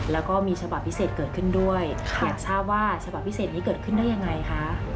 แล้วก็มีฉบับพิเศษเกิดขึ้นด้วยอยากทราบว่าฉบับพิเศษนี้เกิดขึ้นได้ยังไงคะ